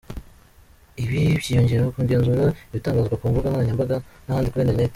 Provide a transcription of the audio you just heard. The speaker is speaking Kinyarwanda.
Ibi byiyongeraho kugenzura ibitangazwa ku mbuga nkoranyambaga n’ahandi kuri internet.